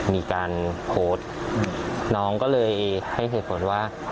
มีการโพสต์น้องก็เลยให้เหตุผลว่า